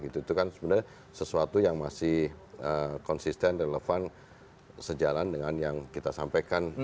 itu kan sebenarnya sesuatu yang masih konsisten relevan sejalan dengan yang kita sampaikan